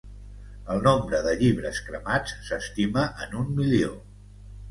El nombre de llibres cremats s'estima en un milió.